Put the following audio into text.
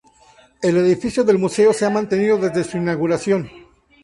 El edificio del museo se ha mantenido desde su inauguración.